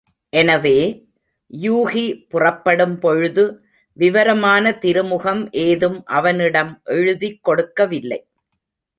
எனவே, யூகி புறப்படும்பொழுது விவரமான திருமுகம் ஏதும் அவனிடம் எழுதிக் கொடுக்கவில்லை.